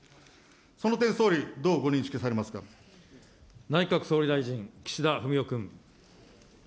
その点、総理、どうご認識されま内閣総理大臣、岸田文雄君。